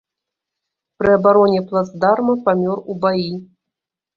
Пры абароне плацдарма памёр у баі.